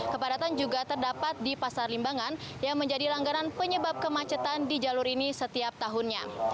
kepadatan juga terdapat di pasar limbangan yang menjadi langganan penyebab kemacetan di jalur ini setiap tahunnya